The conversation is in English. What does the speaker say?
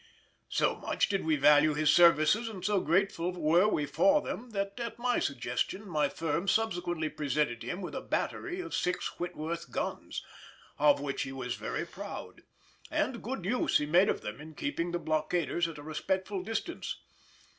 So much did we value his services and so grateful were we for them, that at my suggestion my firm subsequently presented him with a battery of six Whitworth guns, of which he was very proud; and good use he made of them in keeping the blockaders at a respectful distance.